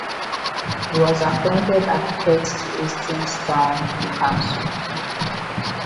He was appointed Architect to Hastings Town Council.